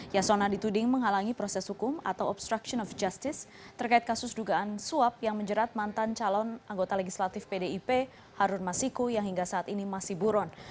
yasona dituding menghalangi proses hukum atau obstruction of justice terkait kasus dugaan suap yang menjerat mantan calon anggota legislatif pdip harun masiku yang hingga saat ini masih buron